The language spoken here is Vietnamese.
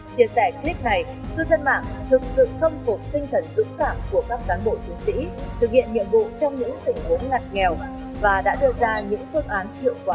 chia sẻ clip này cư dân mạng thực sự khâm phục tinh thần dũng cảm của các cán bộ chiến sĩ thực hiện nhiệm vụ trong những tình huống ngặt nghèo và đã đưa ra những phương án hiệu quả